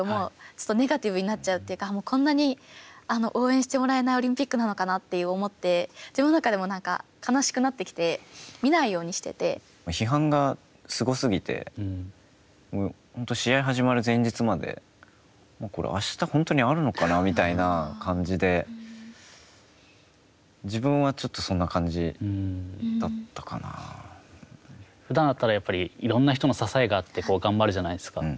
ちょっとネガティブになっちゃうというか、こんなに応援してもらえないオリンピックなのかなと思って自分の中でも悲しくなってき批判がすご過ぎて、試合が始まる前日までもうこれ、あした、本当にあるのかなみたいな感じで自分はちょっふだんだったら、やっぱりいろんな人の支えがあって頑張るじゃないですか。